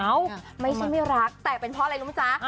ไม่ใช่ไม่รักแต่เป็นเพราะอะไรรู้ไหมจ๊ะ